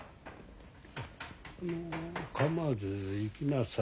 構わず行きなさい。